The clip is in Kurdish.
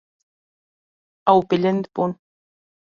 Ew bilind bûn.